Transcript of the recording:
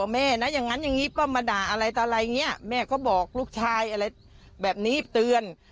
แม่นะอย่างนั้นอย่างนี้ก็มาด่าอะไรต่ออะไรอย่างนี้แม่ก็บอกลูกชายอะไรแบบนี้เตือน